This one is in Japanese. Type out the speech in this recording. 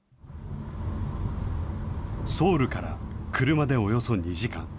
ソウルから車でおよそ２時間。